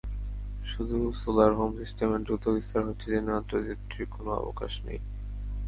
শুধু solar home সিস্টেমের দ্রুত বিস্তার হচ্ছে জেনে আত্মতৃপ্তির কোনো অবকাশ নেই।